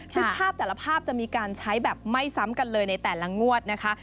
ซึ่งภาพแต่ละภาพจะมีการใช้แบบไม่ซ้ำกันเลยในแต่ละงวดนะคะ